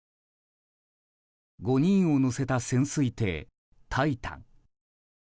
５人を乗せた潜水艇「タイタン」。